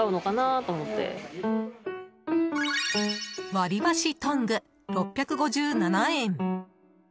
割り箸トング、６５７円。